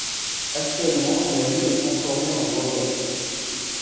Actuellement la ligne est transformée en voie verte.